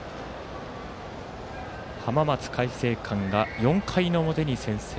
浜松開誠館が４回の表に先制。